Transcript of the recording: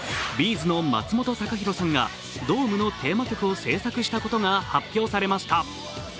’ｚの松本孝弘さんがドームのテーマ曲を制作したことが発表されました。